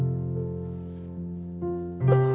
selamat jalan tim